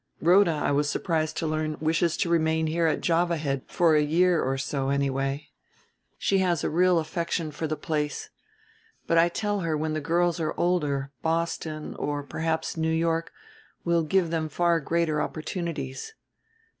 Rhoda, I was surprised to learn, wishes to remain here at Java Head for a year or so anyway. She has a very real affection for the place. But I tell her when the girls are older Boston, or perhaps New York, will give them far greater opportunities.